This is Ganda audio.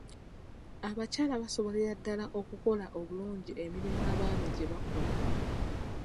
Abakyala basobolera ddala okukola obulungi emirimu abaami gye bakola.